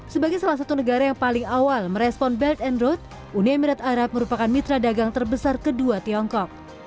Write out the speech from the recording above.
sebagai salah satu negara yang paling awal merespon belt and road uni emirat arab merupakan mitra dagang terbesar kedua tiongkok